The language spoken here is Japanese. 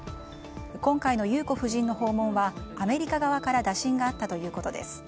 今回の裕子夫人の訪問はアメリカ側から打診があったということです。